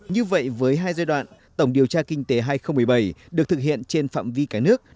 như vậy với hai giai đoạn tổng điều tra kinh tế hai nghìn một mươi bảy được thực hiện trên phạm vi cả nước